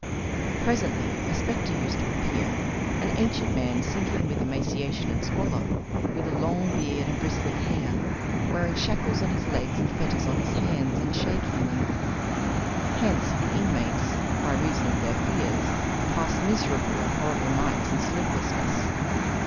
Presently a spectre used to appear, an ancient man sinking with emaciation and squalor, with a long beard and bristly hair, wearing shackles on his legs and fetters on his hands, and shaking them. Hence the inmates, by reason of their fears, passed miserable and horrible nights in sleeplessness.